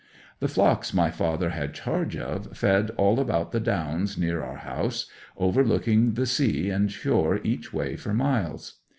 'The flocks my father had charge of fed all about the downs near our house, overlooking the sea and shore each way for miles.